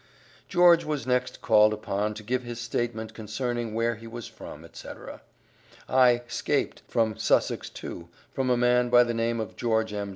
George was next called upon to give his statement concerning where he was from, etc. I "scaped" from Sussex too, from a man by the name of George M.